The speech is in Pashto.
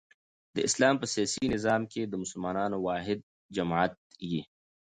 د اسلام په سیاسي نظام کښي د مسلمانانو واحد جماعت يي.